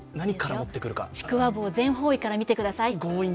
ちくわぶを全方位から見てください。